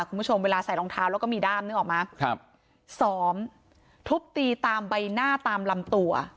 คุณผู้ชมเวลาใส่รองเท้าแล้วก็มีด้ามนึกออกมาครับซ้อมทุบตีตามใบหน้าตามลำตัว